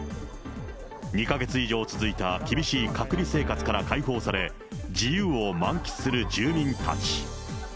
２か月以上続いた厳しい隔離生活から解放され、自由を満喫する住民たち。